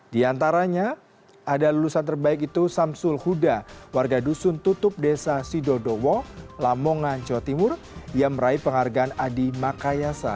di antaranya ada lulusan terbaik itu samsul huda warga dusun tutup desa sidodowo lamongan jawa timur yang meraih penghargaan adi makayasa